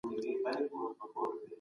جرار